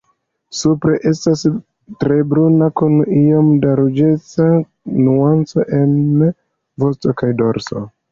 Supre estas tre bruna kun iom da ruĝeca nuanco en vosto kaj dorso.